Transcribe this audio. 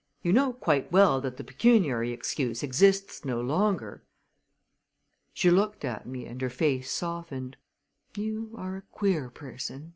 You know quite well that the pecuniary excuse exists no longer." She looked at me and her face softened. "You are a queer person!"